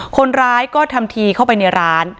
คนร้ายก็ทำทีเข้าไปในร้าน